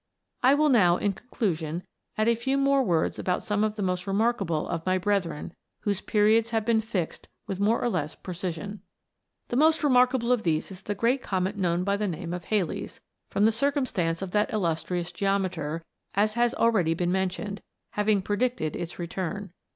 I will now, in conclusion, add a few more words about some of the most remarkable of my brethren, whose periods have been fixed with more or less precision. The most remarkable of these is the great Comet known by .the name of Halley's, from the circum stance of that illustrious geometer, as has already been mentioned, having predicted its return.